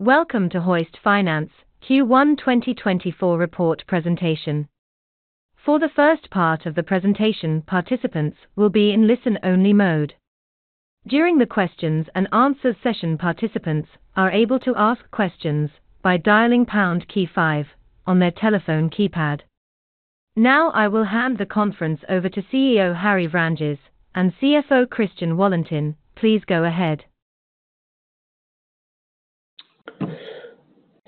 Welcome to Hoist Finance Q1 2024 report presentation. For the first part of the presentation, participants will be in listen-only mode. During the questions and answers session, participants are able to ask questions by dialing pound key five on their telephone keypad. Now, I will hand the conference over to CEO Harry Vranjes and CFO Christian Wallentin. Please go ahead.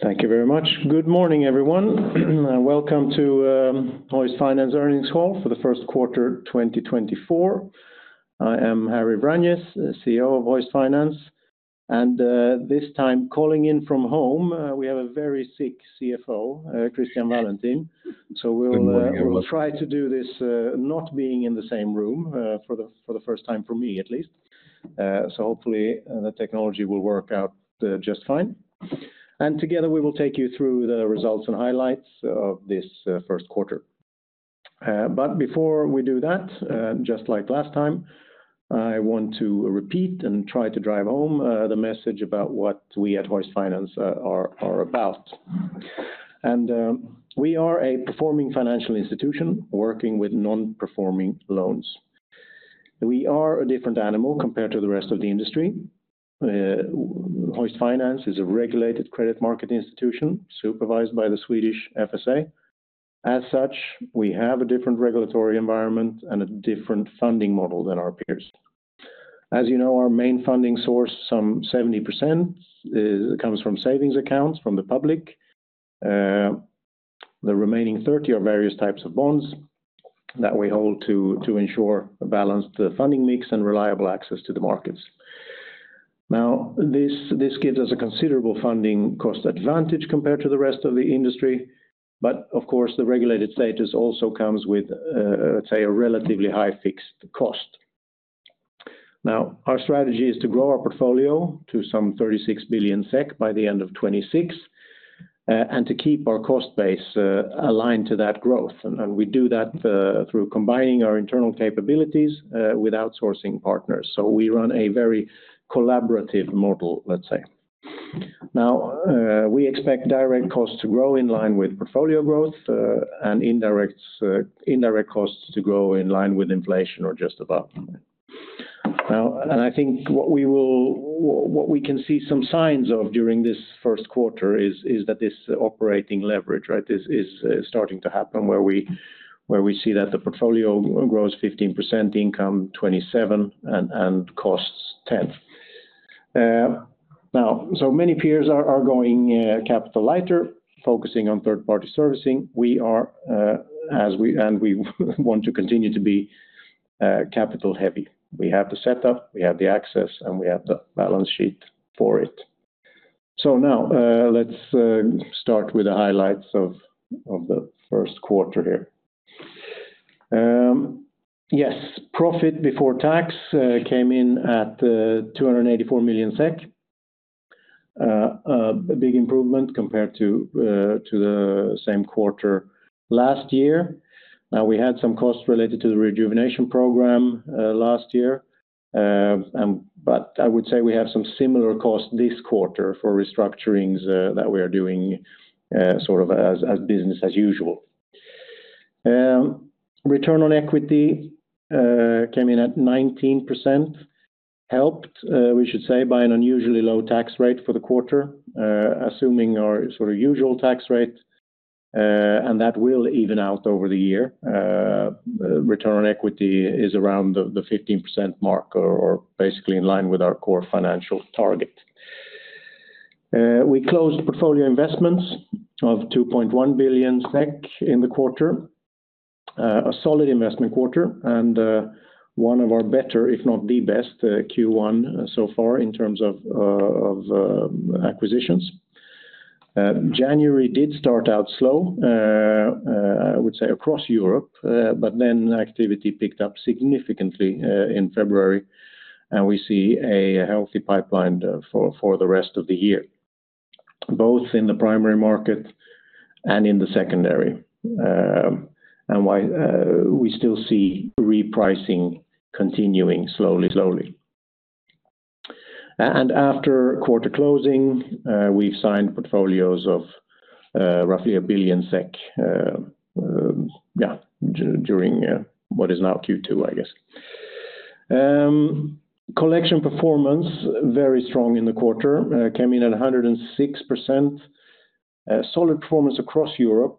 Thank you very much. Good morning, everyone, and welcome to Hoist Finance Earnings Call for the Q1 2024. I am Harry Vranjes, the CEO of Hoist Finance, and this time calling in from home, we have a very sick CFO, Christian Wallentin. So we will- Good morning, everyone.... We will try to do this, not being in the same room, for the first time for me at least. Hopefully the technology will work out just fine. Together, we will take you through the results and highlights of this Q1. But before we do that, just like last time, I want to repeat and try to drive home the message about what we at Hoist Finance are about. We are a performing financial institution working with non-performing loans. We are a different animal compared to the rest of the industry. Hoist Finance is a regulated credit market institution, supervised by the Swedish FSA. As such, we have a different regulatory environment and a different funding model than our peers. As you know, our main funding source, some 70%, comes from savings accounts from the public. The remaining 30% are various types of bonds that we hold to ensure a balanced funding mix and reliable access to the markets. Now, this gives us a considerable funding cost advantage compared to the rest of the industry, but of course, the regulated status also comes with, let's say, a relatively high fixed cost. Now, our strategy is to grow our portfolio to some 36 billion SEK by the end of 2026, and to keep our cost base aligned to that growth. And we do that through combining our internal capabilities with outsourcing partners. So we run a very collaborative model, let's say. Now, we expect direct costs to grow in line with portfolio growth, and indirect costs to grow in line with inflation or just above. Now, and I think what we can see some signs of during this Q1 is that this operating leverage, right, is starting to happen, where we see that the portfolio grows 15%, income 27%, and costs 10%. Now, so many peers are going capital lighter, focusing on third-party servicing. We are, and we want to continue to be, capital heavy. We have the setup, we have the access, and we have the balance sheet for it. So now, let's start with the highlights of the Q1 here. Yes, profit before tax came in at 284 million SEK, a big improvement compared to the same quarter last year. Now, we had some costs related to the rejuvenation program last year, but I would say we have some similar costs this quarter for restructurings that we are doing sort of as business as usual. Return on equity came in at 19%, helped, we should say, by an unusually low tax rate for the quarter, assuming our sort of usual tax rate, and that will even out over the year. Return on equity is around the 15% mark or basically in line with our core financial target. We closed portfolio investments of 2.1 billion SEK in the quarter, a solid investment quarter and one of our better, if not the best, Q1 so far in terms of acquisitions. January did start out slow, I would say, across Europe, but then activity picked up significantly in February, and we see a healthy pipeline for the rest of the year, both in the primary market and in the secondary. And we still see repricing continuing slowly, slowly. And after quarter closing, we've signed portfolios of roughly 1 billion SEK, yeah, during what is now Q2, I guess. Collection performance, very strong in the quarter, came in at 106%. Solid performance across Europe.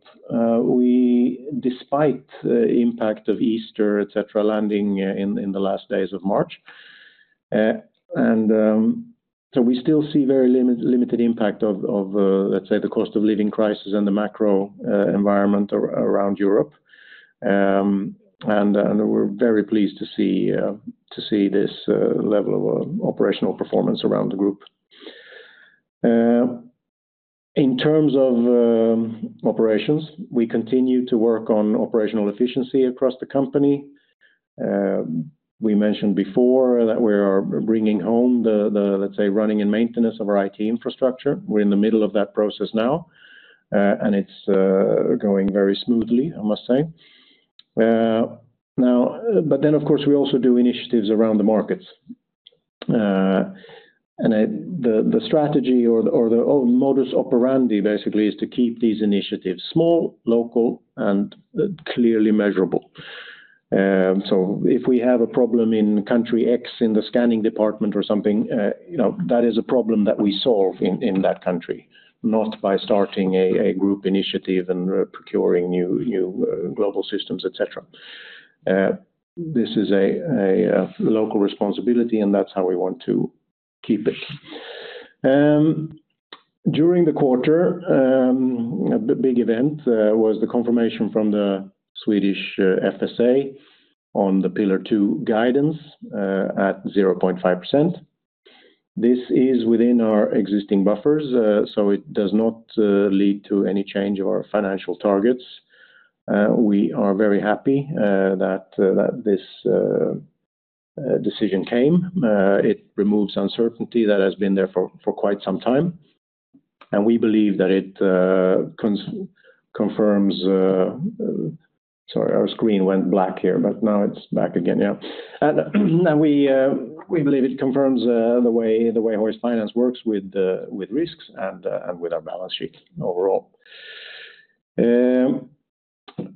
Despite the impact of Easter, et cetera, landing in the last days of March. And so we still see very limited impact of, let's say, the cost of living crisis and the macro environment around Europe. And we're very pleased to see this level of operational performance around the group. In terms of operations, we continue to work on operational efficiency across the company. We mentioned before that we are bringing home the, let's say, running and maintenance of our IT infrastructure. We're in the middle of that process now, and it's going very smoothly, I must say. But then, of course, we also do initiatives around the markets. The strategy or the modus operandi, basically, is to keep these initiatives small, local, and clearly measurable. So if we have a problem in country X, in the scanning department or something, you know, that is a problem that we solve in that country, not by starting a group initiative and procuring new global systems, et cetera. This is a local responsibility, and that's how we want to keep it. During the quarter, a big event was the confirmation from the Swedish FSA on the Pillar II guidance at 0.5%. This is within our existing buffers, so it does not lead to any change of our financial targets. We are very happy that this decision came. It removes uncertainty that has been there for quite some time, and we believe that it confirms. Sorry, our screen went black here, but now it's back again. Yeah. We believe it confirms the way Hoist Finance works with risks and with our balance sheet overall.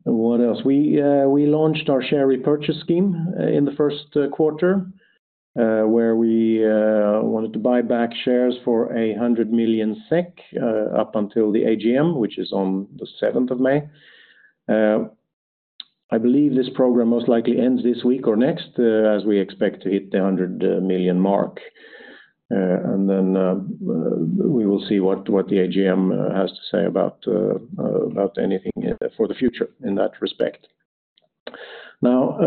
What else? We launched our share repurchase scheme in the Q1, where we wanted to buy back shares for 100 million SEK up until the AGM, which is on the seventh of May. I believe this program most likely ends this week or next, as we expect to hit the 100 million mark. Then we will see what the AGM has to say about anything for the future in that respect. Now,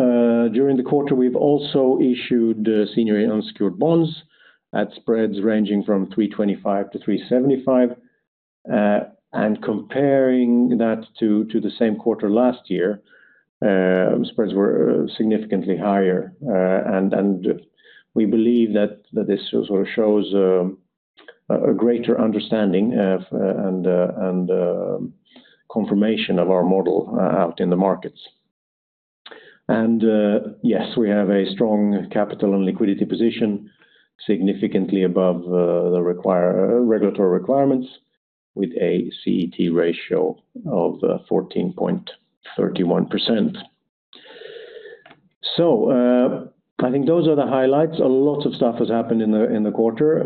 during the quarter, we've also issued senior unsecured bonds at spreads ranging from 325 to 375. And comparing that to the same quarter last year, spreads were significantly higher. And we believe that this sort of shows a greater understanding of and confirmation of our model out in the markets. And yes, we have a strong capital and liquidity position, significantly above the regulatory requirements, with a CET ratio of 14.31%. So, I think those are the highlights. A lot of stuff has happened in the quarter.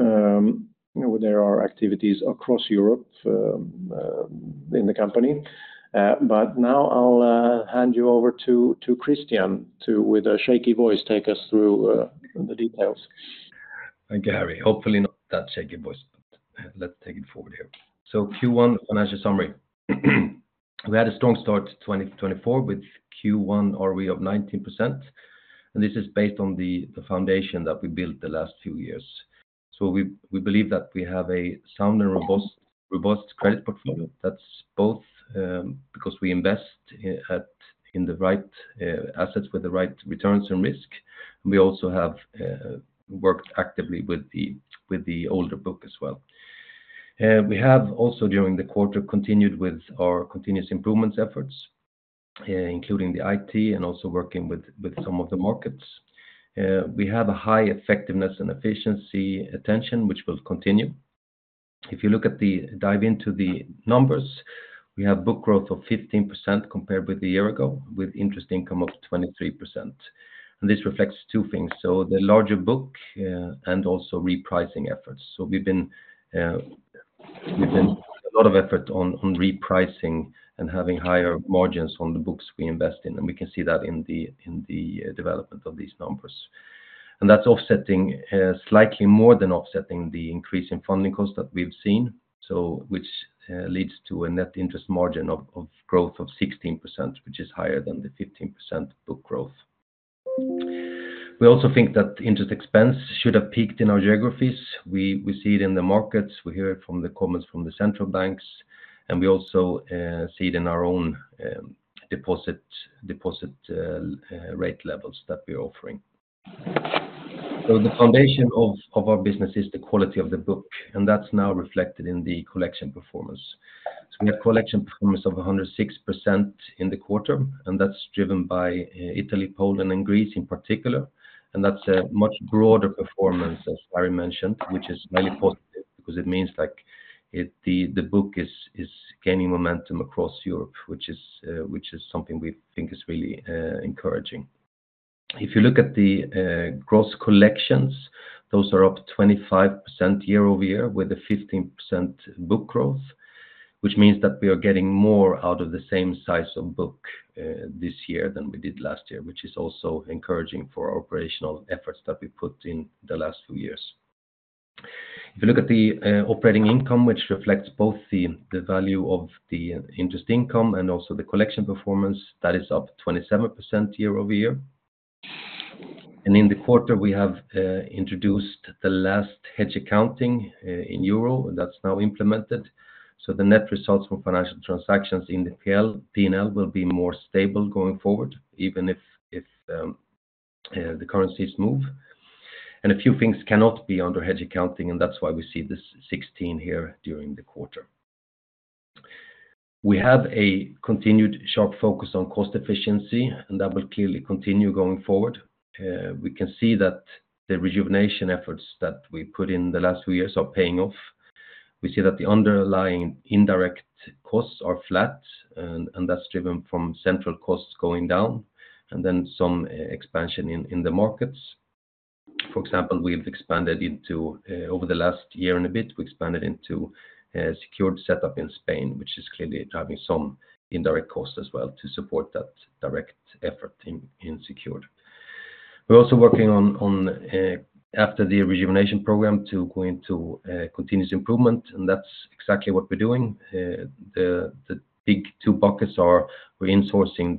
There are activities across Europe in the company. But now I'll hand you over to Christian with a shaky voice take us through the details. Thank you, Harry. Hopefully, not that shaky voice, but let's take it forward here. So Q1 financial summary. We had a strong start to 2024, with Q1 ROE of 19%, and this is based on the foundation that we built the last few years. So we believe that we have a sound and robust credit portfolio. That's both because we invest in the right assets with the right returns and risk. We also have worked actively with the older book as well. We have also, during the quarter, continued with our continuous improvements efforts, including the IT and also working with some of the markets. We have a high effectiveness and efficiency attention, which will continue. If you look at the dive into the numbers, we have book growth of 15% compared with a year ago, with interest income of 23%. This reflects two things, so the larger book and also repricing efforts. So we've been a lot of effort on repricing and having higher margins on the books we invest in, and we can see that in the development of these numbers. And that's offsetting slightly more than offsetting the increase in funding costs that we've seen, so which leads to a net interest margin of growth of 16%, which is higher than the 15% book growth. We also think that interest expense should have peaked in our geographies. We see it in the markets, we hear it from the comments from the central banks, and we also see it in our own deposit rate levels that we're offering. So the foundation of our business is the quality of the book, and that's now reflected in the collection performance. So we have collection performance of 106% in the quarter, and that's driven by Italy, Poland, and Greece in particular. And that's a much broader performance, as Harry mentioned, which is really positive because it means, like, the book is gaining momentum across Europe, which is something we think is really encouraging. If you look at the gross collections, those are up 25% year-over-year, with a 15% book growth, which means that we are getting more out of the same size of book this year than we did last year, which is also encouraging for our operational efforts that we put in the last few years. If you look at the operating income, which reflects both the value of the interest income and also the collection performance, that is up 27% year-over-year. And in the quarter, we have introduced the last hedge accounting in euro, that's now implemented. So the net results from financial transactions in the P&L will be more stable going forward, even if the currencies move. And a few things cannot be under hedge accounting, and that's why we see this 16 here during the quarter. We have a continued sharp focus on cost efficiency, and that will clearly continue going forward. We can see that the rejuvenation efforts that we put in the last few years are paying off. We see that the underlying indirect costs are flat, and that's driven from central costs going down, and then some expansion in the markets. For example, over the last year and a bit, we expanded into secured setup in Spain, which is clearly having some indirect costs as well to support that direct effort in secured. We're also working on after the rejuvenation program to go into continuous improvement, and that's exactly what we're doing. The big two buckets are we're insourcing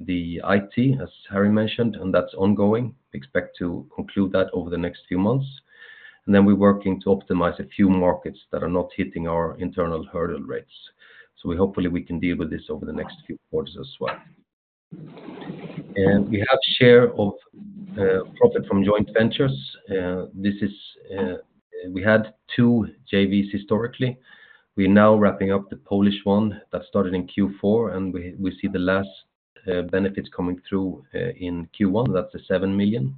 the IT, as Harry mentioned, and that's ongoing. Expect to conclude that over the next few months. Then we're working to optimize a few markets that are not hitting our internal hurdle rates. So hopefully we can deal with this over the next few quarters as well. We have share of profit from joint ventures. This is. We had two JVs historically. We're now wrapping up the Polish one that started in Q4, and we see the last benefits coming through in Q1. That's the 7 million.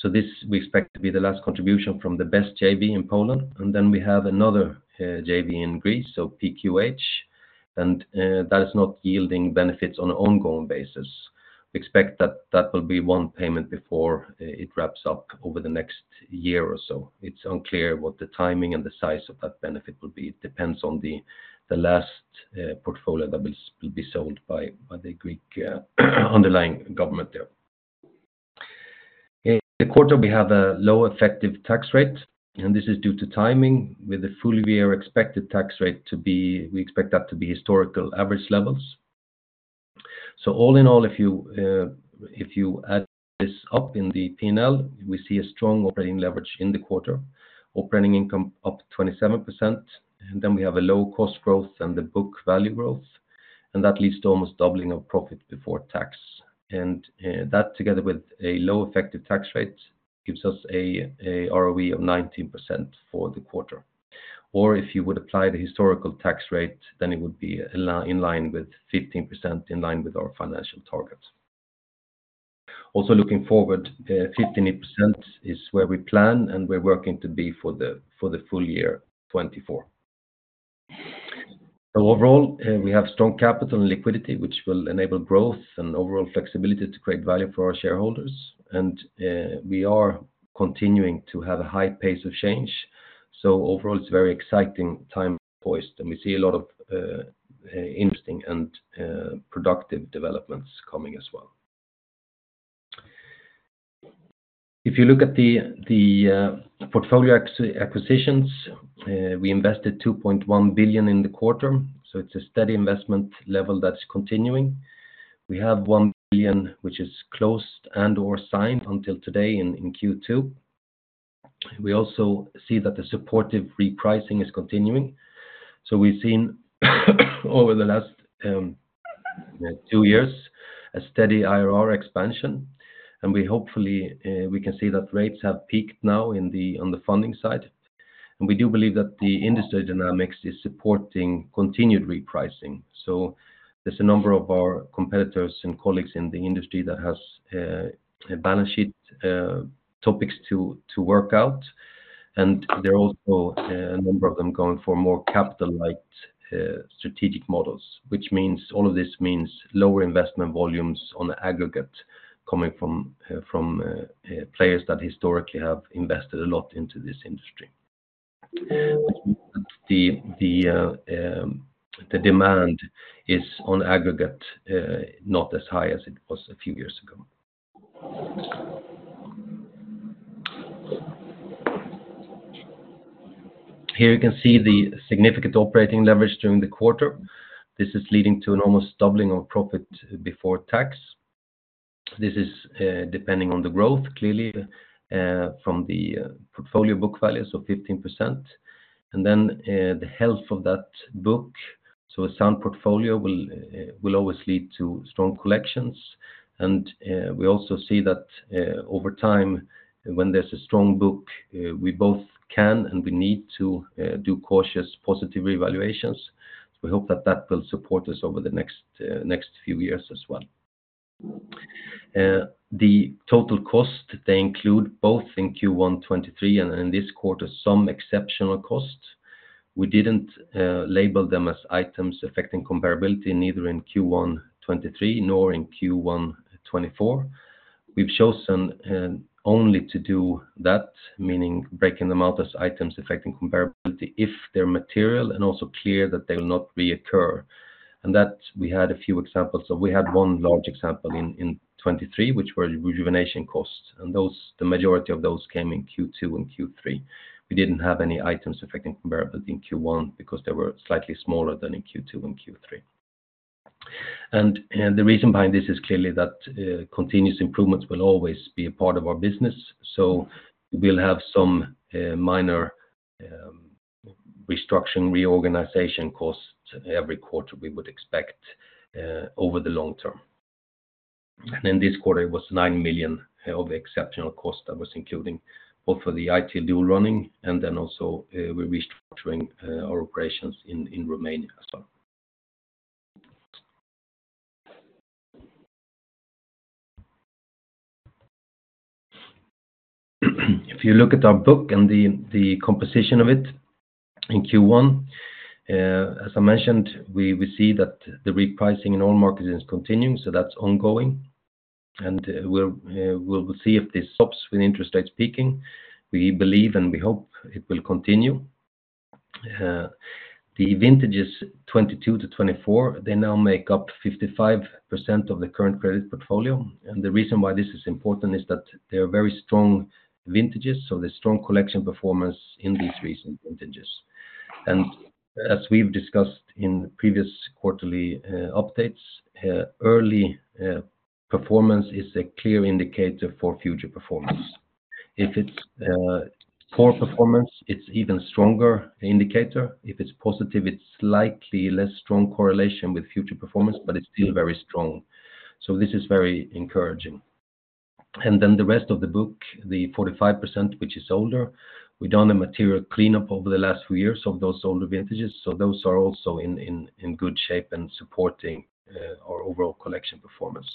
So this we expect to be the last contribution from the Polish JV in Poland. Then we have another JV in Greece, so PQH, and that is not yielding benefits on an ongoing basis. We expect that that will be one payment before it wraps up over the next year or so. It's unclear what the timing and the size of that benefit will be. It depends on the last portfolio that will be sold by the Greek underlying government there. In the quarter, we have a low effective tax rate, and this is due to timing. With the full year, expected tax rate to be—we expect that to be historical average levels. So all in all, if you add this up in the P&L, we see a strong operating leverage in the quarter. Operating income up 27%, and then we have a low cost growth and the book value growth, and that leads to almost doubling of profit before tax. That together with a low effective tax rate gives us a ROE of 19% for the quarter. Or if you would apply the historical tax rate, then it would be in line with 15%, in line with our financial targets. Also, looking forward, 15% is where we plan, and we're working to be for the full year 2024. Overall, we have strong capital and liquidity, which will enable growth and overall flexibility to create value for our shareholders. We are continuing to have a high pace of change. Overall, it's a very exciting time for Hoist, and we see a lot of interesting and productive developments coming as well. If you look at the portfolio acquisitions, we invested 2.1 billion in the quarter, so it's a steady investment level that's continuing. We have 1 billion, which is closed and/or signed until today in Q2. We also see that the supportive repricing is continuing. So we've seen, over the last two years, a steady IRR expansion, and we hopefully we can see that rates have peaked now on the funding side. And we do believe that the industry dynamics is supporting continued repricing. There's a number of our competitors and colleagues in the industry that has a balance sheet topics to work out, and there are also a number of them going for more capital-light strategic models, which means all of this means lower investment volumes on aggregate coming from players that historically have invested a lot into this industry. The demand is on aggregate not as high as it was a few years ago. Here you can see the significant operating leverage during the quarter. This is leading to an almost doubling of profit before tax. This is depending on the growth, clearly, from the portfolio book value, so 15%, and then the health of that book. So a sound portfolio will always lead to strong collections, and we also see that over time, when there's a strong book, we both can, and we need to do cautious, positive revaluations. We hope that that will support us over the next few years as well. The total cost, they include both in Q1 2023 and in this quarter, some exceptional costs. We didn't label them as items affecting comparability, neither in Q1 2023 nor in Q1 2024. We've chosen only to do that, meaning breaking them out as items affecting comparability if they're material and also clear that they will not reoccur. And that we had a few examples. So we had one large example in 2023, which were rejuvenation costs, and those, the majority of those came in Q2 2023 and Q3 2023. We didn't have any items affecting comparability in Q1 because they were slightly smaller than in Q2 and Q3. The reason behind this is clearly that continuous improvements will always be a part of our business, so we'll have some minor restructuring, reorganization costs every quarter we would expect over the long term. In this quarter, it was 9 million of exceptional cost that was including both for the IT dual running, and then also, we're restructuring our operations in Romania as well. If you look at our book and the composition of it in Q1, as I mentioned, we see that the repricing in all markets is continuing, so that's ongoing. We'll see if this stops with interest rates peaking. We believe and we hope it will continue. The vintages 2022 to 2024, they now make up 55% of the current credit portfolio. The reason why this is important is that they are very strong vintages, so there's strong collection performance in these recent vintages. As we've discussed in previous quarterly updates, early performance is a clear indicator for future performance. If it's poor performance, it's even stronger indicator. If it's positive, it's slightly less strong correlation with future performance, but it's still very strong. This is very encouraging. Then the rest of the book, the 45%, which is older, we've done a material cleanup over the last few years of those older vintages, so those are also in good shape and supporting our overall collection performance.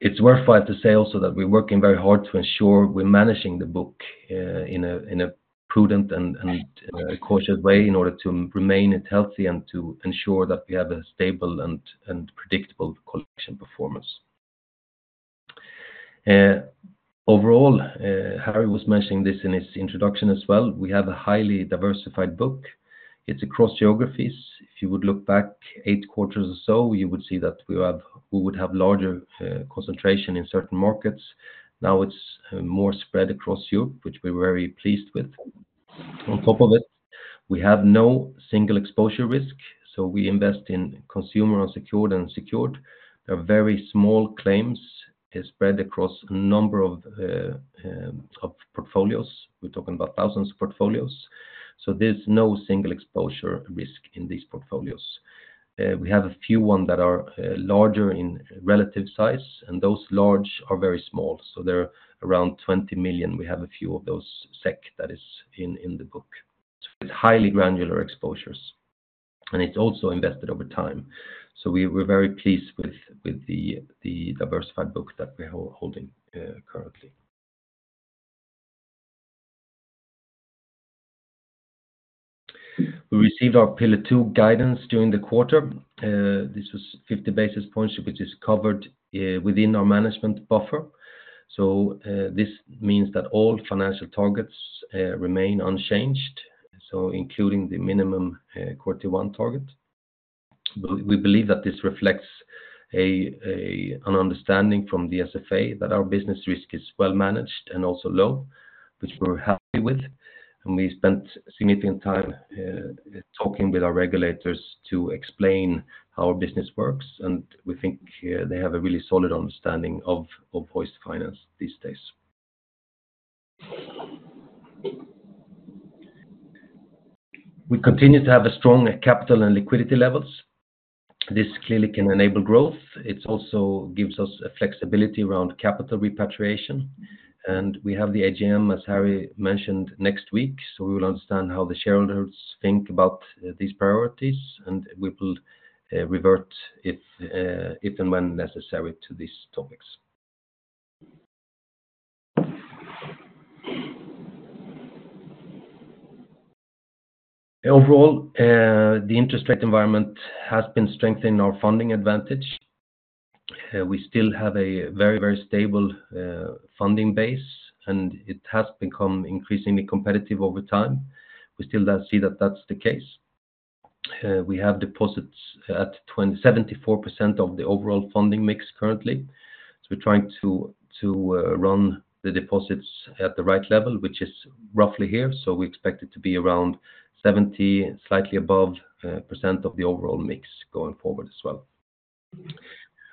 It's worthwhile to say also that we're working very hard to ensure we're managing the book in a prudent and cautious way in order to remain it healthy and to ensure that we have a stable and predictable collection performance. Overall, Harry was mentioning this in his introduction as well, we have a highly diversified book. It's across geographies. If you would look back eight quarters or so, you would see that we have we would have larger concentration in certain markets. Now, it's more spread across Europe, which we're very pleased with. On top of it, we have no single exposure risk, so we invest in consumer, unsecured, and secured. There are very small claims spread across a number of portfolios. We're talking about thousands of portfolios, so there's no single exposure risk in these portfolios. We have a few that are larger in relative size, and those larger are very small, so they're around 20 million. We have a few of those such that is in the book. It's highly granular exposures, and it's also invested over time. So we're very pleased with the diversified book that we're holding currently. We received our Pillar II guidance during the quarter. This was 50 basis points, which is covered within our management buffer. So this means that all financial targets remain unchanged, so including the minimum quarter one target. We believe that this reflects an understanding from the SFA that our business risk is well managed and also low, which we're happy with. We spent significant time talking with our regulators to explain how our business works, and we think they have a really solid understanding of Hoist Finance these days. We continue to have strong capital and liquidity levels. This clearly can enable growth. It also gives us flexibility around capital repatriation. We have the AGM, as Harry mentioned, next week, so we will understand how the shareholders think about these priorities, and we will revert if and when necessary to these topics. Overall, the interest rate environment has been strengthening our funding advantage. We still have a very, very stable funding base, and it has become increasingly competitive over time. We still do see that that's the case. We have deposits at 27% to 74% of the overall funding mix currently. So we're trying to run the deposits at the right level, which is roughly here. So we expect it to be around 70, slightly above, % of the overall mix going forward as well.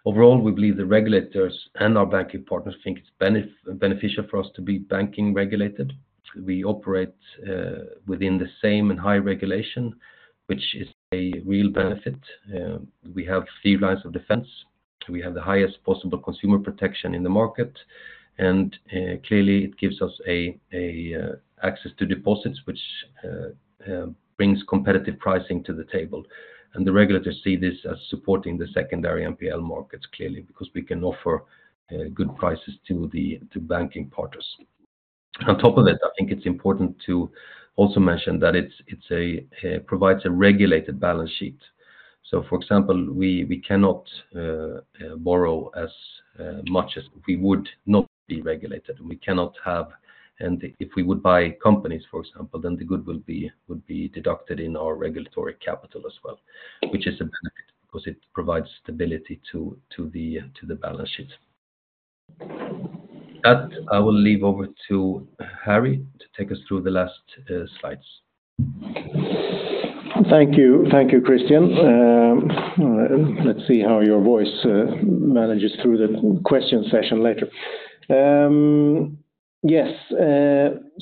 Overall, we believe the regulators and our banking partners think it's beneficial for us to be banking regulated. We operate within the same and high regulation, which is a real benefit. We have three lines of defense, we have the highest possible consumer protection in the market, and clearly, it gives us access to deposits, which brings competitive pricing to the table. And the regulators see this as supporting the secondary NPL markets, clearly, because we can offer good prices to the banking partners. On top of it, I think it's important to also mention that it provides a regulated balance sheet. So for example, we cannot borrow as much as we would not be regulated, and we cannot have... And if we would buy companies, for example, then the goodwill would be deducted in our regulatory capital as well, which is a benefit because it provides stability to the balance sheet. That, I will leave over to Harry to take us through the last slides.... Thank you. Thank you, Christian. Let's see how your voice manages through the question session later. Yes,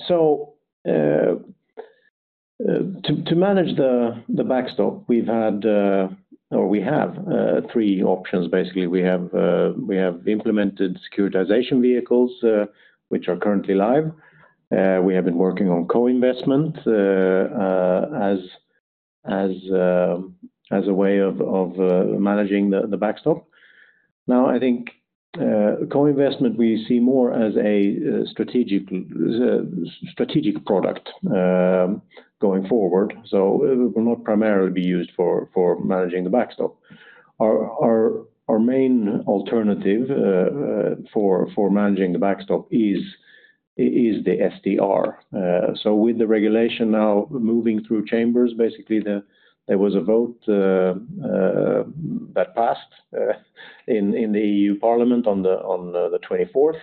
so, to manage the backstop, we've had, or we have, three options. Basically, we have implemented securitization vehicles, which are currently live. We have been working on co-investment, as a way of managing the backstop. Now, I think, co-investment, we see more as a strategic product going forward. So it will not primarily be used for managing the backstop. Our main alternative for managing the backstop is the SDR. So with the regulation now moving through chambers, basically, there was a vote that passed in the EU Parliament on the twenty-fourth.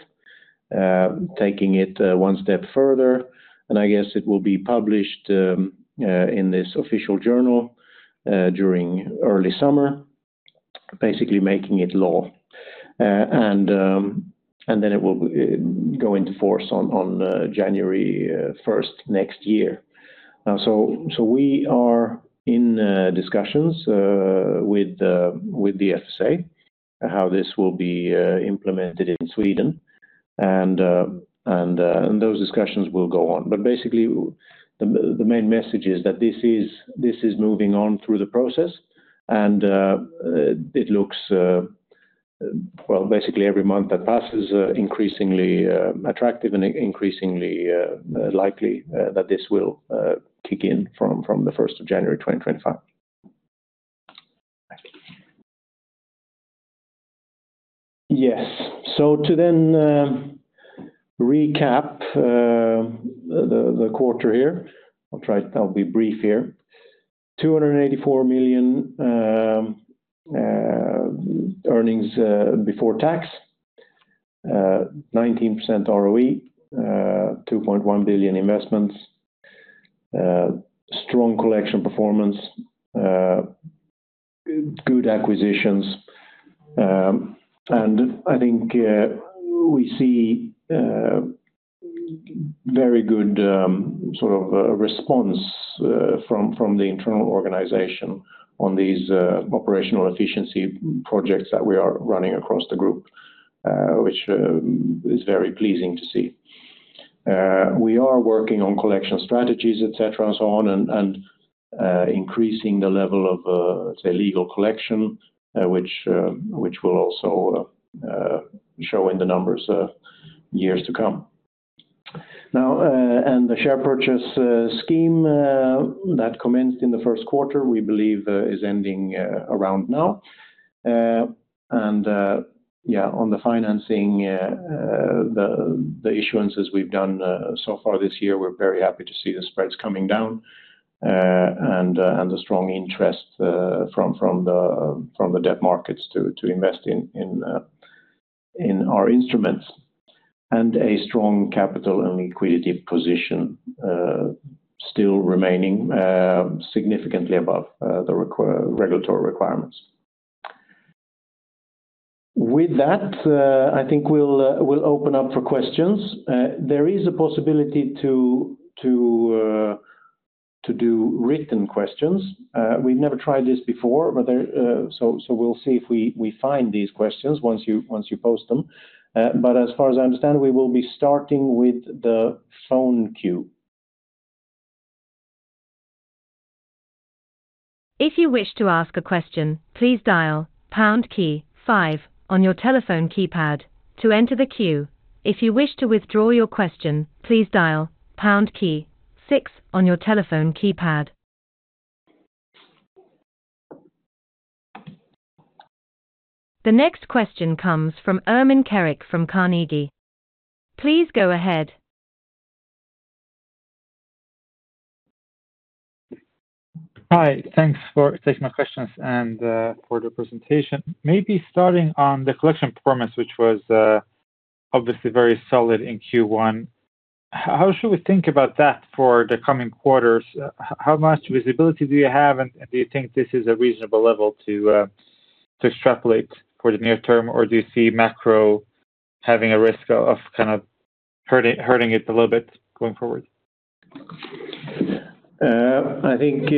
Taking it one step further, and I guess it will be published in this Official Journal during early summer, basically making it law. And then it will go into force on January first next year. So we are in discussions with the FSA how this will be implemented in Sweden. And those discussions will go on. But basically, the main message is that this is moving on through the process, and it looks well, basically every month that passes increasingly attractive and increasingly likely that this will kick in from the first of January 2025. Yes. So to then recap the quarter here, I'll try. I'll be brief here. 284 million earnings before tax, 19% ROE, 2.1 billion investments, strong collection performance, good acquisitions. And I think we see very good sort of response from the internal organization on these operational efficiency projects that we are running across the group, which is very pleasing to see. We are working on collection strategies, et cetera, and so on, and increasing the level of, say, legal collection, which will also show in the numbers of years to come. Now, and the share purchase scheme that commenced in the Q1, we believe, is ending around now. And yeah, on the financing, the issuances we've done so far this year, we're very happy to see the spreads coming down, and the strong interest from the debt markets to invest in our instruments. And a strong capital and liquidity position still remaining significantly above the regulatory requirements. With that, I think we'll open up for questions. There is a possibility to do written questions. We've never tried this before, but... So we'll see if we find these questions once you post them. But as far as I understand, we will be starting with the phone queue. If you wish to ask a question, please dial pound key five on your telephone keypad to enter the queue. If you wish to withdraw your question, please dial pound key six on your telephone keypad. The next question comes from Ermin Keric from Carnegie. Please go ahead. Hi, thanks for taking my questions and for the presentation. Maybe starting on the collection performance, which was obviously very solid in Q1. How should we think about that for the coming quarters? How much visibility do you have, and do you think this is a reasonable level to extrapolate for the near term? Or do you see macro having a risk of kind of hurting it a little bit going forward? I think,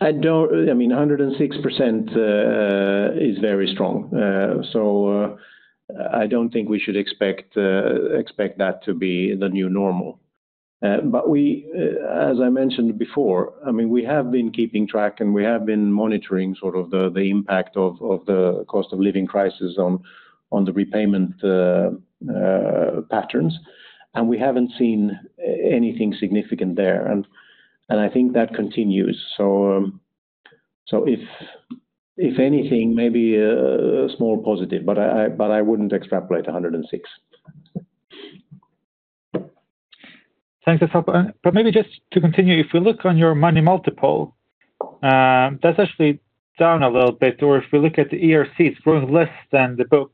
I don't... I mean, 106% is very strong. So, I don't think we should expect that to be the new normal. But we, as I mentioned before, I mean, we have been keeping track, and we have been monitoring sort of the impact of the cost of living crisis on the repayment patterns. And we haven't seen anything significant there, and I think that continues. So, if anything, maybe a small positive, but I... but I wouldn't extrapolate 106%. Thanks for that. But maybe just to continue, if we look on your money multiple... That's actually down a little bit, or if we look at the ERC, it's growing less than the book.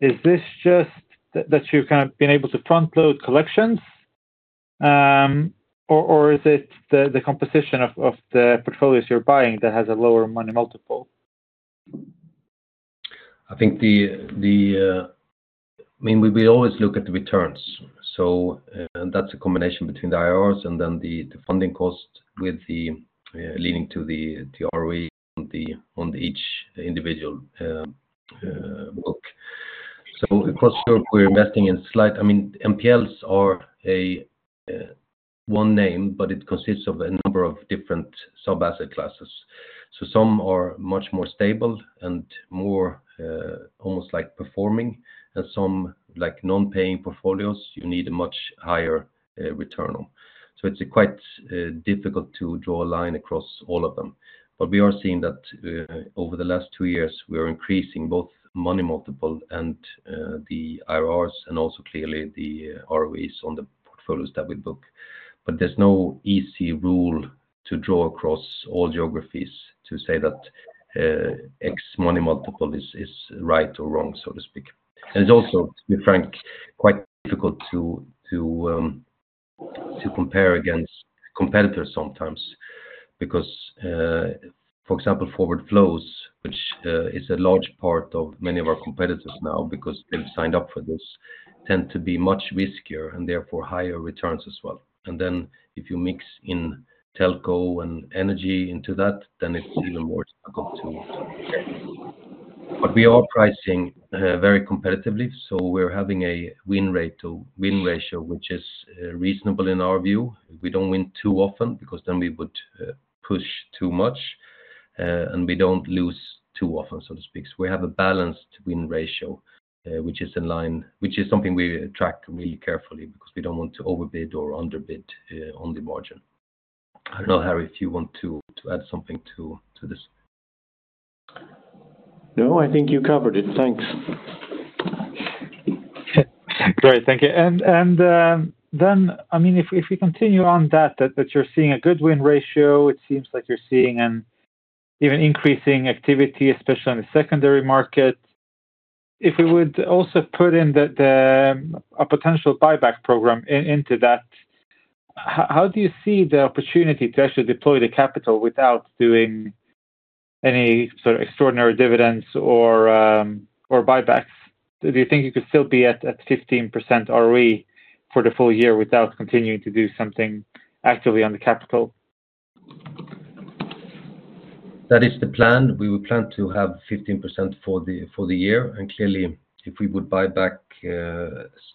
Is this just that you've kind of been able to front load collections, or is it the composition of the portfolios you're buying that has a lower money multiple? I think, I mean, we always look at the returns. So, that's a combination between the IRRs, and then the funding cost with the leading to the ROE on each individual book. So of course, sure, we're investing in, I mean, NPLs are a one name, but it consists of a number of different sub-asset classes. So some are much more stable and more almost like performing, and some like non-paying portfolios, you need a much higher return on. So it's quite difficult to draw a line across all of them. But we are seeing that over the last two years, we are increasing both money multiple and the IRRs, and also clearly the ROEs on the portfolios that we book. But there's no easy rule to draw across all geographies to say that a money multiple is right or wrong, so to speak. And it's also, to be frank, quite difficult to compare against competitors sometimes, because for example, forward flows, which is a large part of many of our competitors now, because they've signed up for this, tend to be much riskier and therefore higher returns as well. And then if you mix in telco and energy into that, then it's even more difficult to. But we are pricing very competitively, so we're having a win ratio, which is reasonable in our view. We don't win too often because then we would push too much, and we don't lose too often, so to speak. So we have a balanced win ratio, which is something we track really carefully because we don't want to overbid or underbid on the margin. I don't know, Harry, if you want to add something to this. No, I think you covered it. Thanks. Great, thank you. I mean, if we continue on that you're seeing a good win ratio, it seems like you're seeing an even increasing activity, especially on the secondary market. If we would also put in a potential buyback program into that, how do you see the opportunity to actually deploy the capital without doing any sort of extraordinary dividends or buybacks? Do you think you could still be at 15% ROE for the full year without continuing to do something actively on the capital? That is the plan. We would plan to have 15% for the year, and clearly, if we would buy back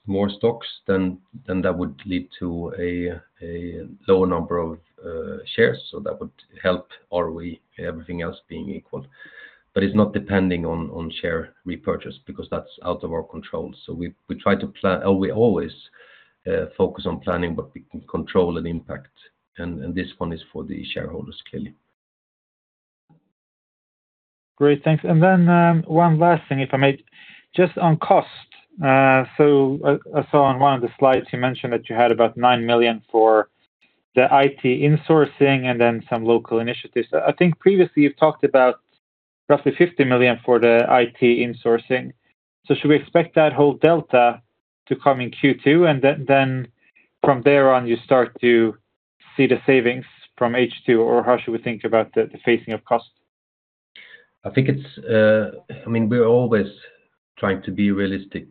more stocks, then that would lead to a lower number of shares, so that would help ROE, everything else being equal. But it's not depending on share repurchase, because that's out of our control. So we try to plan. We always focus on planning, but we can control and impact, and this one is for the shareholders, clearly. Great, thanks. And then, one last thing, if I may. Just on cost, so I saw on one of the slides you mentioned that you had about 9 million for the IT insourcing and then some local initiatives. I think previously you've talked about roughly 50 million for the IT insourcing. So should we expect that whole delta to come in Q2, and then from there on you start to see the savings from H2, or how should we think about the phasing of cost? I think it's... I mean, we're always trying to be realistic,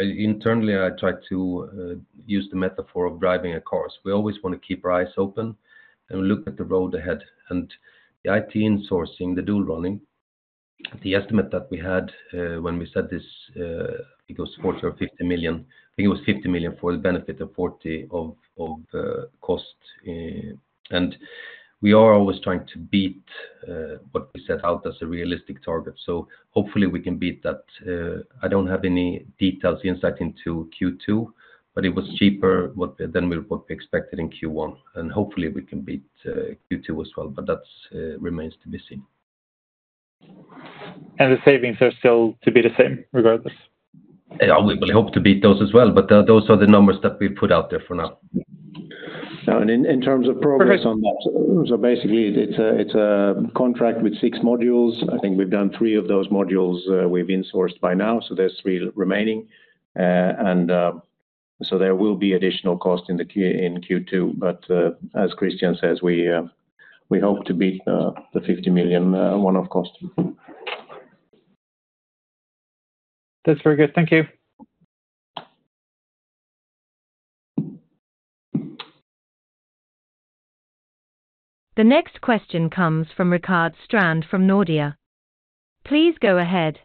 internally, I try to use the metaphor of driving a car. We always want to keep our eyes open and look at the road ahead. And the IT insourcing, the dual running, the estimate that we had, when we said this, it was 40 million or 50 million. I think it was 50 million for the benefit of 40 of cost, and we are always trying to beat what we set out as a realistic target. So hopefully we can beat that. I don't have any detailed insight into Q2, but it was cheaper than we expected in Q1, and hopefully we can beat Q2 as well, but that remains to be seen. The savings are still to be the same, regardless? Yeah, we hope to beat those as well, but those are the numbers that we put out there for now. In terms of progress on that, so basically it's a contract with 6 modules. I think we've done three of those modules, we've insourced by now, so there's three remaining. So there will be additional cost in Q2, but as Christian says, we hope to beat the 50 million one-off cost. That's very good. Thank you. The next question comes from Rickard Strand from Nordea. Please go ahead.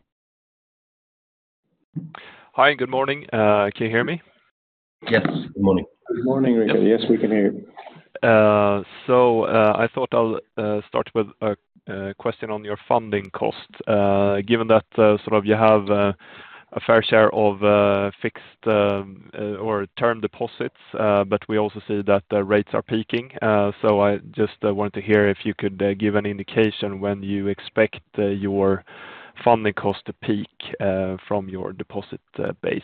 Hi, good morning. Can you hear me? Yes. Good morning. Good morning, Rickard. Yes, we can hear you. So, I thought I'll start with a question on your funding cost. Given that sort of you have a fair share of fixed or term deposits, but we also see that the rates are peaking. So I just wanted to hear if you could give an indication when you expect your funding cost to peak from your deposit base?...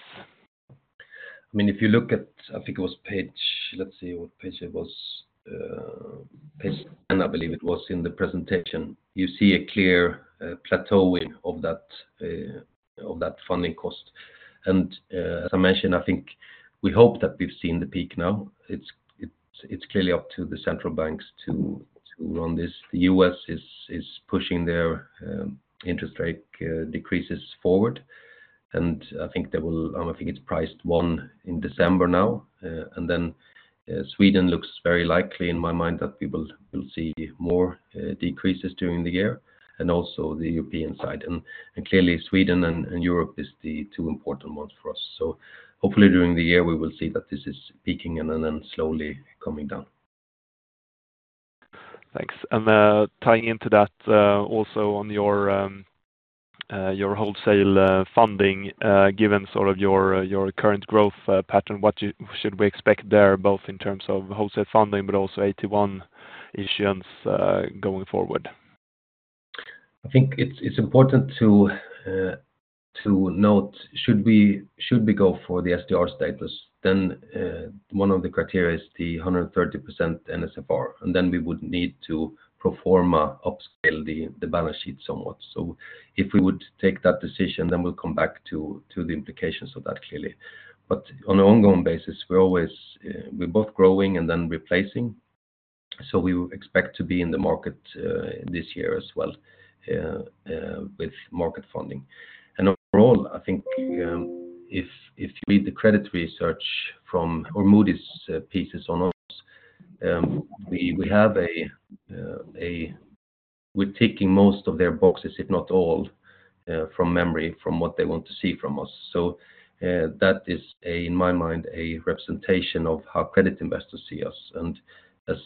I mean, if you look at, I think it was page, let's see what page it was, page 10, I believe it was in the presentation. You see a clear plateauing of that of that funding cost. And, as I mentioned, I think we hope that we've seen the peak now. It's, it's, it's clearly up to the central banks to to run this. The US is is pushing their interest rate decreases forward, and I think they will, I think it's priced one in December now. And then, Sweden looks very likely in my mind, that we will, we'll see more decreases during the year, and also the European side. And clearly, Sweden and Europe is the two important ones for us. Hopefully during the year, we will see that this is peaking and then, then slowly coming down. Thanks. And, tying into that, also on your wholesale funding, given sort of your current growth pattern, what should we expect there, both in terms of wholesale funding, but also AT1 issuance, going forward? I think it's important to note, should we go for the SDR status, then one of the criteria is the 130% NSFR, and then we would need to pro forma upscale the balance sheet somewhat. So if we would take that decision, then we'll come back to the implications of that, clearly. But on an ongoing basis, we're always, we're both growing and then replacing, so we expect to be in the market this year as well with market funding. And overall, I think, if you read the credit research from Moody's pieces on us, we have a, we're ticking most of their boxes if not all, from memory, from what they want to see from us. So, that is, in my mind, a representation of how credit investors see us. And as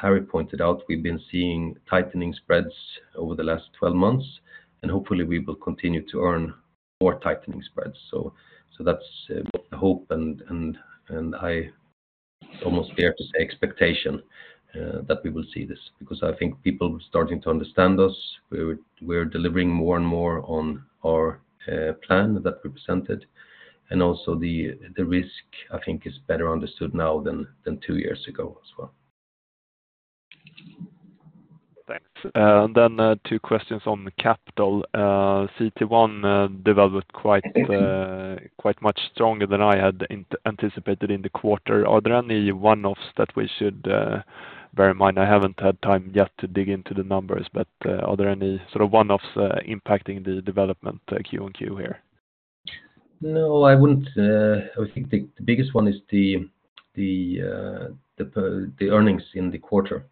Harry pointed out, we've been seeing tightening spreads over the last 12 months, and hopefully we will continue to earn more tightening spreads. So, that's the hope and I almost dare to say expectation that we will see this, because I think people are starting to understand us. We're delivering more and more on our plan that we presented, and also the risk, I think, is better understood now than two years ago as well. Thanks. Then, two questions on the capital. CET1 developed quite, quite much stronger than I had anticipated in the quarter. Are there any one-offs that we should bear in mind? I haven't had time yet to dig into the numbers, but, are there any sort of one-offs impacting the development quarter-over-quarter here? No, I wouldn't... I think the biggest one is the earnings in the quarter.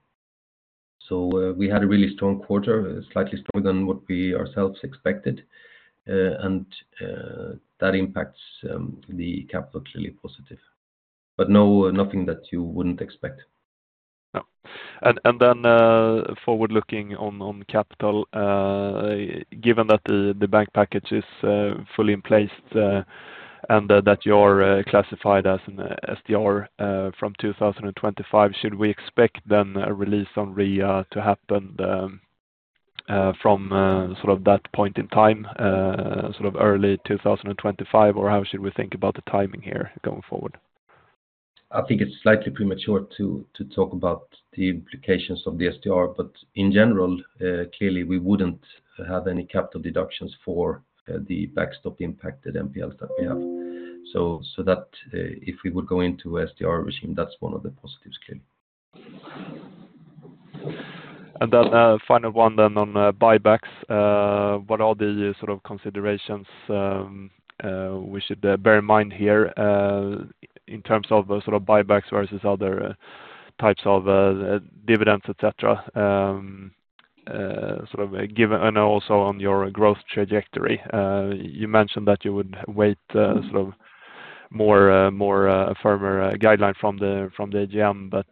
So, we had a really strong quarter, slightly stronger than what we ourselves expected. And that impacts the capital clearly positive. But no, nothing that you wouldn't expect. Yeah. And then, forward looking on capital, given that the bank package is fully in place, and that you're classified as an SDR from 2025, should we expect then a release on REA to happen from sort of that point in time, sort of early 2025? Or how should we think about the timing here going forward? I think it's slightly premature to talk about the implications of the SDR, but in general, clearly, we wouldn't have any capital deductions for the backstop impacted NPLs that we have. So, that if we would go into SDR regime, that's one of the positives clearly. And then, final one then on buybacks. What are the sort of considerations we should bear in mind here in terms of the sort of buybacks versus other types of dividends, et cetera? Sort of given and also on your growth trajectory. You mentioned that you would wait sort of more firmer guideline from the AGM, but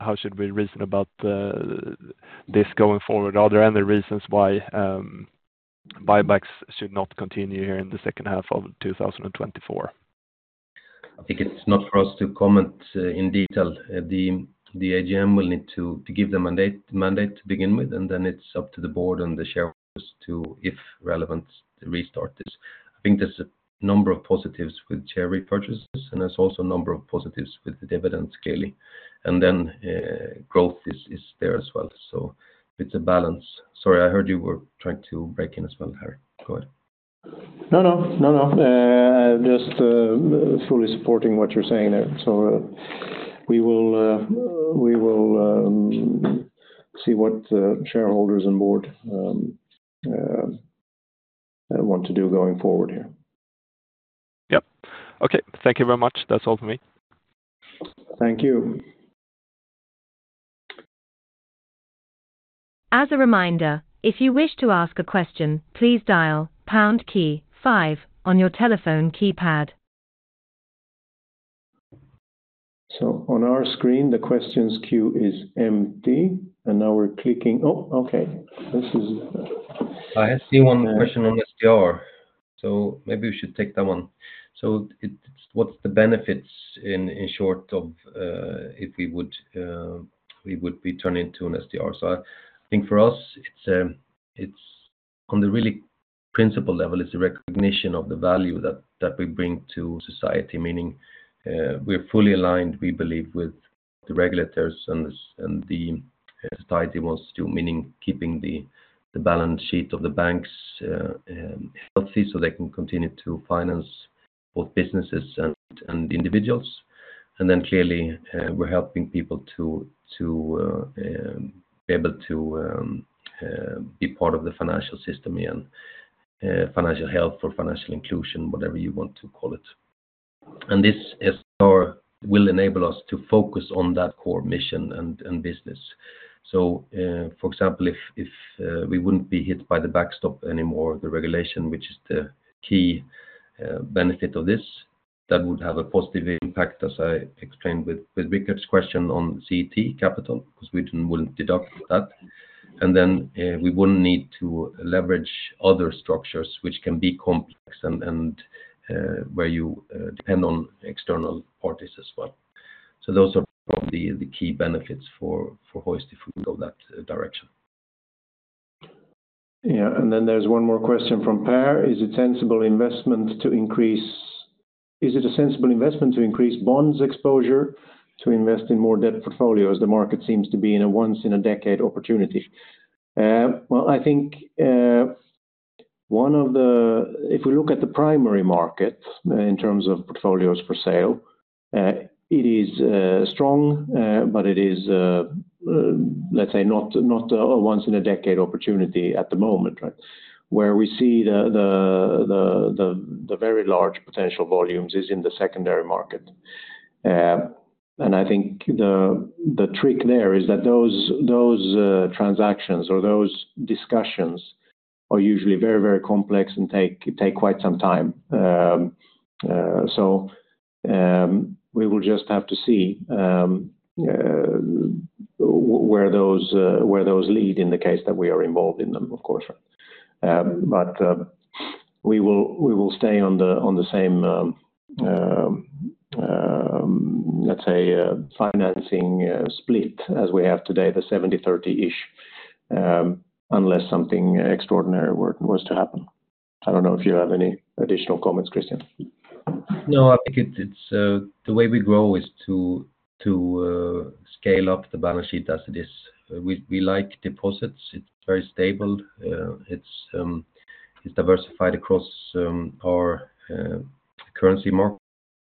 how should we reason about this going forward? Are there any reasons why buybacks should not continue here in the second half of 2024? I think it's not for us to comment in detail. The AGM will need to give the mandate to begin with, and then it's up to the board and the shareholders to, if relevant, restart this. I think there's a number of positives with share repurchases, and there's also a number of positives with the dividends, clearly. And then, growth is there as well. So it's a balance. Sorry, I heard you were trying to break in as well, Harry. Go ahead. No, no. No, no. Just fully supporting what you're saying there. So, we will, we will, see what shareholders on board want to do going forward here. Yep. Okay. Thank you very much. That's all for me. Thank you. As a reminder, if you wish to ask a question, please dial pound key five on your telephone keypad. On our screen, the questions queue is empty, and now we're clicking... Oh, okay. This is- I see one question on SDR, so maybe we should take that one. So it's what's the benefits in short of if we would be turning into an SDR? So I think for us, it's on the really principal level is the recognition of the value that we bring to society, meaning we're fully aligned, we believe, with the regulators and the society wants to, meaning keeping the balance sheet of the banks healthy, so they can continue to finance both businesses and individuals. And then clearly, we're helping people to be able to be part of the financial system and financial health or financial inclusion, whatever you want to call it. And this SDR will enable us to focus on that core mission and business. So, for example, if we wouldn't be hit by the backstop anymore, the regulation, which is the key benefit of this, that would have a positive impact, as I explained with Rickard's question on CET1 capital, because we wouldn't deduct that. And then, we wouldn't need to leverage other structures which can be complex and where you depend on external parties as well. So those are probably the key benefits for Hoist if we go that direction. Yeah, and then there's one more question from Per. Is it a sensible investment to increase bonds exposure, to invest in more debt portfolios? The market seems to be in a once in a decade opportunity. Well, I think, one of the... If we look at the primary market, in terms of portfolios for sale, it is strong, but it is, let's say, not, not a once in a decade opportunity at the moment, right? Where we see the very large potential volumes is in the secondary market. And I think the trick there is that those transactions or those discussions are usually very, very complex and take quite some time. So, we will just have to see where those lead in the case that we are involved in them, of course. But we will stay on the same, let's say, financing split as we have today, the 70-30-ish, unless something extraordinary was to happen. I don't know if you have any additional comments, Christian. No, I think it's the way we grow is to scale up the balance sheet as it is. We like deposits. It's very stable. It's diversified across our currency markets. We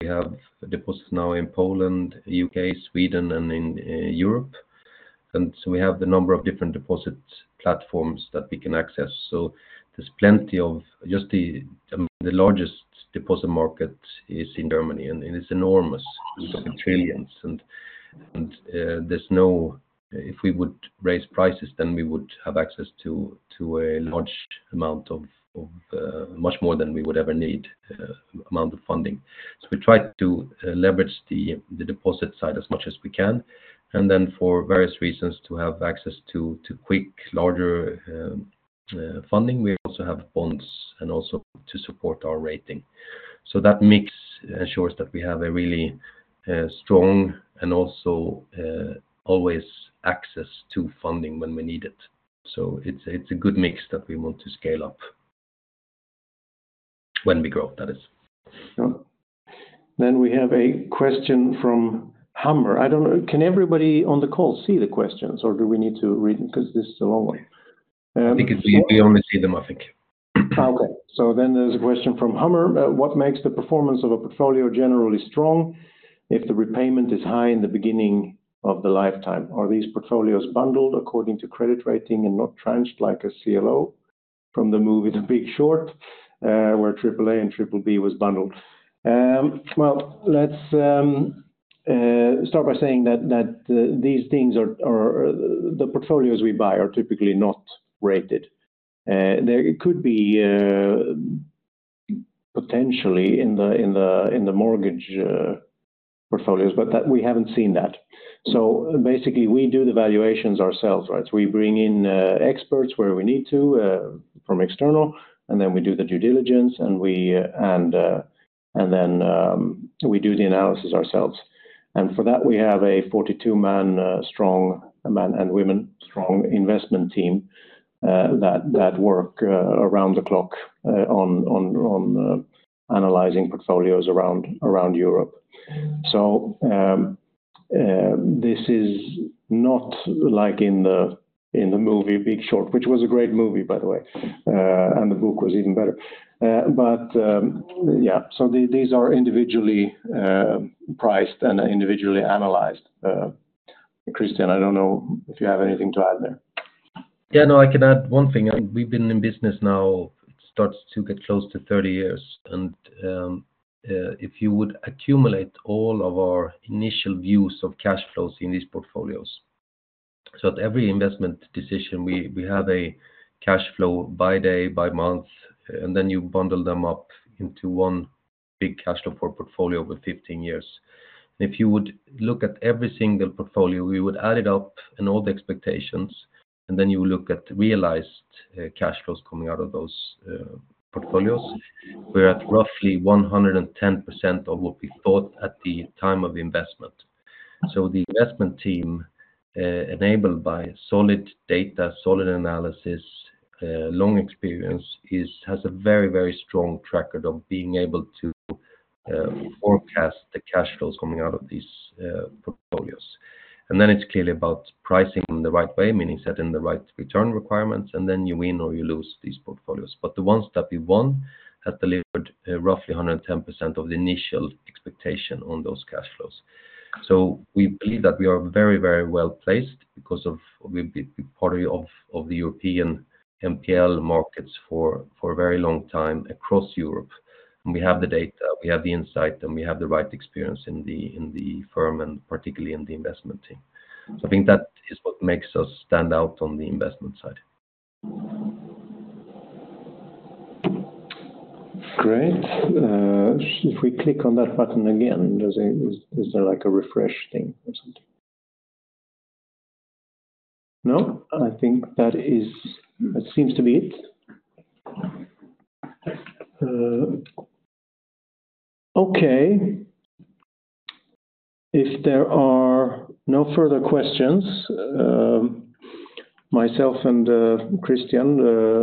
have deposits now in Poland, U.K., Sweden, and in Europe, and so we have the number of different deposit platforms that we can access. So there's plenty of... Just the largest deposit market is in Germany, and there's no-- If we would raise prices, then we would have access to a large amount of much more than we would ever need amount of funding. So we try to leverage the deposit side as much as we can, and then for various reasons, to have access to quick, larger funding. We also have bonds and also to support our rating. So that mix ensures that we have a really, strong and also, always access to funding when we need it. So it's, it's a good mix that we want to scale up when we grow, that is. Yeah. Then we have a question from Hammer. I don't know, can everybody on the call see the questions, or do we need to read them? Because this is a long one. I think it's we only see them, I think. Okay. So then there's a question from Hammer. What makes the performance of a portfolio generally strong if the repayment is high in the beginning of the lifetime? Are these portfolios bundled according to credit rating and not tranched like a CLO from the movie The Big Short, where triple A and triple B was bundled? Well, let's start by saying that these things are... The portfolios we buy are typically not rated. There it could be potentially in the mortgage portfolios, but that we haven't seen that. So basically, we do the valuations ourselves, right? We bring in experts where we need to from external, and then we do the due diligence, and then we do the analysis ourselves. For that, we have a 42-man strong men and women strong investment team that work around the clock on analyzing portfolios around Europe. This is not like in the movie Big Short, which was a great movie, by the way, and the book was even better. But yeah, these are individually priced and individually analyzed. Christian, I don't know if you have anything to add there. Yeah, no, I can add one thing. We've been in business now, starts to get close to 30 years, and if you would accumulate all of our initial views of cash flows in these portfolios. So at every investment decision, we have a cash flow by day, by month, and then you bundle them up into one big cash flow for a portfolio over 15 years. If you would look at every single portfolio, we would add it up and all the expectations, and then you look at realized cash flows coming out of those portfolios. We're at roughly 110% of what we thought at the time of investment. So the investment team, enabled by solid data, solid analysis, long experience, is, has a very, very strong record of being able to forecast the cash flows coming out of these portfolios. And then it's clearly about pricing the right way, meaning setting the right return requirements, and then you win or you lose these portfolios. But the ones that we won have delivered roughly 110% of the initial expectation on those cash flows. So we believe that we are very, very well placed because of we've been part of the European NPL markets for a very long time across Europe, and we have the data, we have the insight, and we have the right experience in the firm, and particularly in the investment team. I think that is what makes us stand out on the investment side. Great. If we click on that button again, does, is there like a refresh thing or something? No, I think that is, that seems to be it. Okay. If there are no further questions, myself and Christian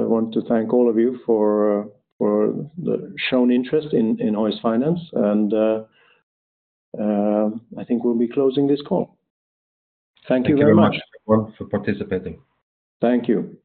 want to thank all of you for the shown interest in Hoist Finance, and I think we'll be closing this call. Thank you very much. Thank you very much, everyone, for participating. Thank you.